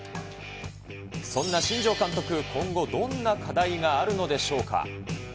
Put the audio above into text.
そんな新庄監督、今後どんな課題があるのでしょうか。